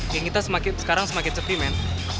geng kita sekarang semakin cepi men